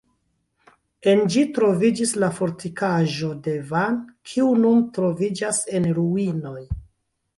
En ĝi troviĝis la fortikaĵo de Van kiu nun troviĝas en ruinoj.